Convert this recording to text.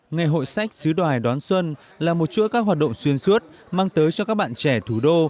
ngày hội sách xứ đoài đón xuân là một chuỗi các hoạt động xuyên suốt mang tới cho các bạn trẻ thủ đô